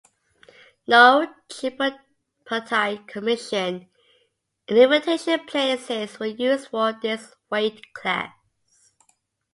No Tripartite Commission invitation places were used for this weight class.